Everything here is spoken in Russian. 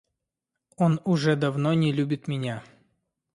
Он уж давно не любит меня.